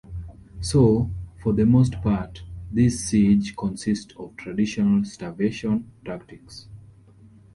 So, for the most part, this siege consisted of traditional starvation tactics.